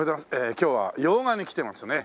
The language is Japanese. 今日は用賀に来てますね。